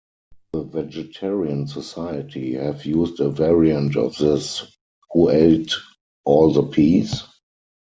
The Vegetarian Society have used a variant of this, Who ate all the peas?